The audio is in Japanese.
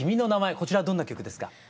こちらどんな曲ですか？